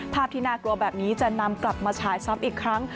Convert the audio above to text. ที่น่ากลัวแบบนี้จะนำกลับมาฉายซ้ำอีกครั้ง